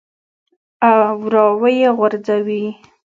او راویې غورځوې.